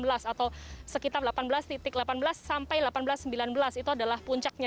atau sekitar delapan belas delapan belas sampai delapan belas sembilan belas itu adalah puncaknya